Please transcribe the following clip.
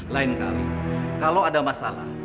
lain kali kalau ada masalah